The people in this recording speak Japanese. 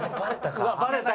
うわっバレたか。